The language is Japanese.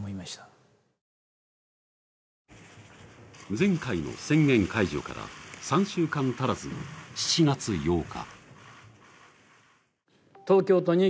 前回の宣言解除から３週間足らずの７月８日。